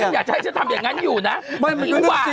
ไม่อยากให้ฉันทำอย่างงั้นอยู่นะ